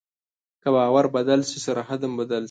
که باور بدل شي، سرحد هم بدل شي.